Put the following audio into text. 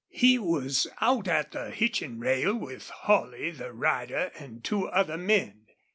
He was out at the hitching rail, with Holley, the rider, and two other men.